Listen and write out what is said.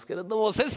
先生！